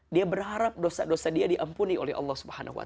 dia berharap dosa dosa dia diampuni oleh allah swt